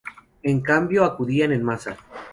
En cambio, acudían en masa.